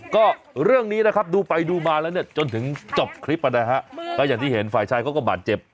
ก็เรื่องนี้นะครับดูไปดูมาแล้วเนี่ยจนถึงจบคลิปนะฮะก็อย่างที่เห็นฝ่ายชายเขาก็บาดเจ็บ